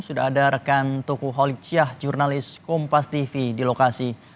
sudah ada rekan toku holicah jurnalis kompas tv di lokasi